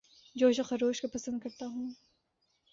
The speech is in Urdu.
جوش و خروش کو پسند کرتا ہوں